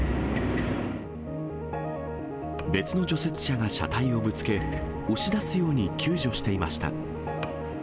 別の除雪車が車体をぶつけ、押し出すように救助していました。